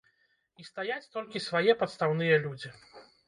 І стаяць толькі свае падстаўныя людзі.